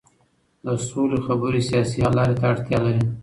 د سولې خبرې سیاسي حل لارې ته اړتیا لري